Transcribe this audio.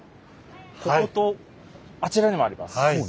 こことあちらにもあります。